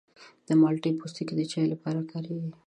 د مالټې پوستکی د چای لپاره کارېږي.